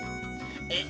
えっ？